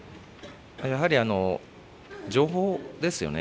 やはり、情報ですよね。